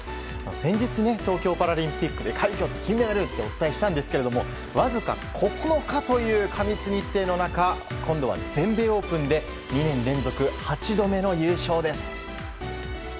先日、東京パラリンピックで快挙、金メダルとお伝えしたんですけどわずか９日という過密日程の中今度は全米オープンで２年連続８度目の優勝です！